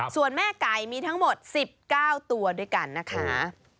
ส่วนแม่ไก่มีทั้งหมด๑๙ตัวด้วยกันนะคะ